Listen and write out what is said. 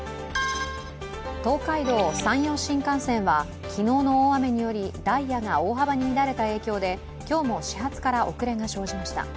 東海道・山陽新幹線は昨日の大雨によりダイヤが大幅に乱れた影響で今日も始発から遅れが生じました。